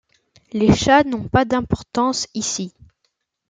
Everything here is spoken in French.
Les chats n'ont pas d'importance ici.